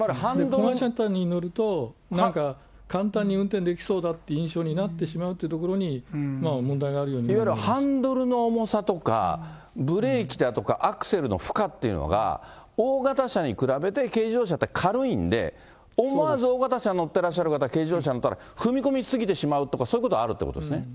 小型車に乗ると、なんか、簡単に運転できそうだという印象になってしまうというところに、いわゆるハンドルの重さとか、ブレーキだとかアクセルの負荷っていうのが、大型車に比べて、軽自動車って軽いんで、思わず大型車に乗ってらっしゃる方、軽自動車に乗ったら踏み込み過ぎてしまうとか、そういうことがあるということですね。